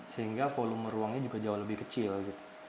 sehingga volume ruangnya juga jauh lebih kecil gitu